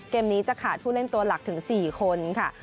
เกมนี้จะขาดผู้เล่นตัวหลักถึง๔คนค่ะ